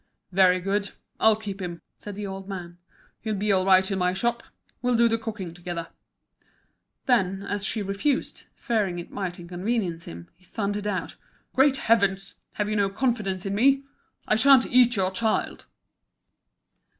"Very good, I'll keep him," said the old man; "he'll be all right in my shop. We'll do the cooking together." Then, as she refused, fearing it might inconvenience him, he thundered out: "Great heavens! have you no confidence in me? I sha'n't eat your child!"